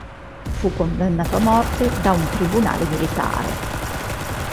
Fu condannato a morte da un tribunale militare.